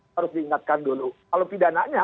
harus diingatkan dulu kalau pidana nya